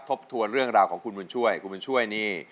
ทบทวนเรื่องราวของคุณบุญช่วยคุณบุญช่วยนี่